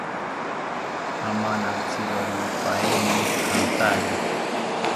Amanantziroripaeni jantari